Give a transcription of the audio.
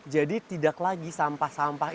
jadi tidak lagi sampah sampah ini